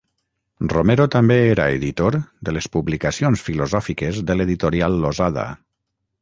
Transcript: Romero també era editor de les publicacions filosòfiques de l'editorial Losada.